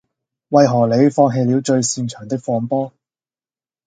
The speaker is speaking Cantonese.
為何你放棄了最擅長的放波